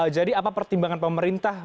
jadi apa pertimbangan pemerintah